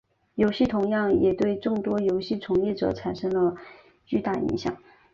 游戏同样也对众多游戏从业者产生了巨大影响。